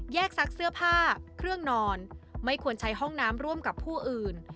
ซักเสื้อผ้าเครื่องนอนไม่ควรใช้ห้องน้ำร่วมกับผู้อื่น